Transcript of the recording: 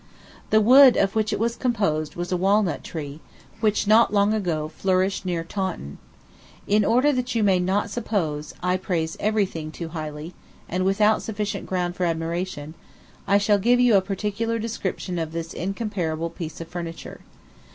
The wood of which it was composed was a walnut tree, which, not long ago, flourished near Taunton. In order that you may not suppose, I praise every thing too highly, and without sufficient ground for admiration, I shall give you a particular description of this incomparable piece of furniture.